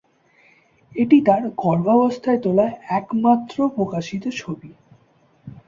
এটি তার গর্ভাবস্থায় তোলা একমাত্র প্রকাশিত ছবি।